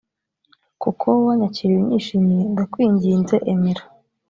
kuko wanyakiriye unyishimiye ndakwinginze emera